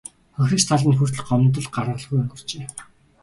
Хохирогч тал нь хүртэл гомдол гаргалгүй өнгөрчээ.